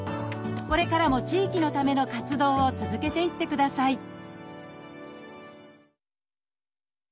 これからも地域のための活動を続けていってください